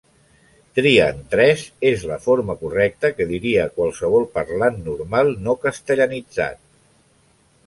Tria'n tres és la forma correcta que diria qualsevol parlant normal no castellanitzat.